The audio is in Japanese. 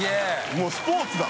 もうスポーツだ。